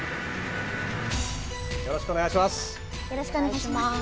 よろしくお願いします。